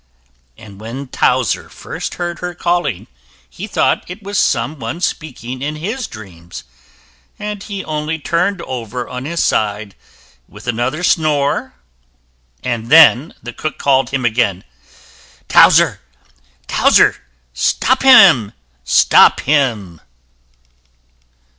And when Towser first heard her calling he thought it was some one speaking in his dreams, and he only turned over on his side, with another snore, and then the cook called again, "Towser, Towser, stop him, stop him!"